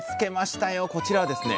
こちらはですね